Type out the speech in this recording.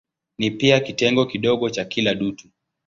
Ni pia kitengo kidogo cha kila dutu.